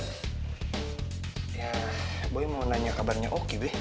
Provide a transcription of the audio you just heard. ya gue mau nanya kabarnya oki deh